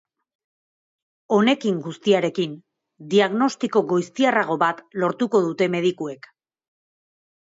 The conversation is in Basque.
Honekin guztiarekin, diagnostiko goiztiarrago bat lortuko dute medikuek.